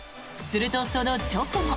すると、その直後。